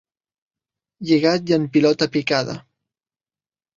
Lligat i en pilota picada.